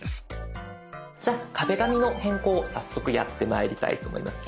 じゃあ壁紙の変更早速やってまいりたいと思います。